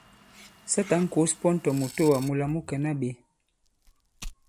Sa tǎn kǒs pɔn tɔ̀ mùtoà mūla mu kɛ̀na ɓě !